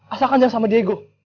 asalkan jangan sama diego